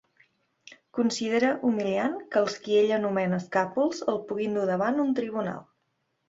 Considera humiliant que els qui ell anomena escàpols el puguin dur davant un tribunal.